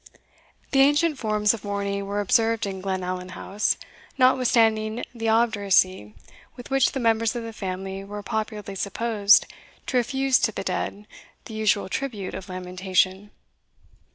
The ancient forms of mourning were observed in Glenallan House, notwithstanding the obduracy with which the members of the family were popularly supposed to refuse to the dead the usual tribute of lamentation.